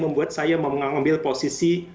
membuat saya mengambil posisi